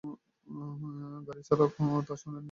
গাড়ির চালক তা শোনেননি।